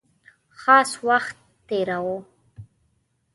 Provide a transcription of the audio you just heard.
خاص وخت تېراوه.